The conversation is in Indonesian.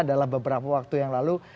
dalam beberapa waktu yang lalu